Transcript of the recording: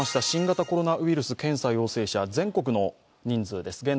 新型コロナウイルス検査陽性者、全国の人数です。